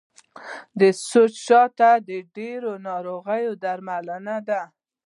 سوچه شات د ډیرو ناروغیو درملنه ده.